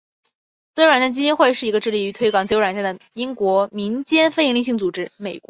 自由软件基金会是一个致力于推广自由软件的美国民间非营利性组织。